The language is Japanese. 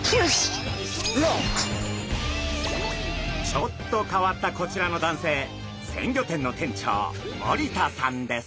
ちょっと変わったこちらの男性鮮魚店の店長森田さんです。